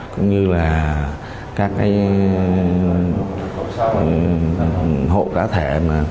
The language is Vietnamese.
cũng như là các hộ cá thể